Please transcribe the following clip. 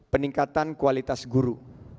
peningkatan kualitas guru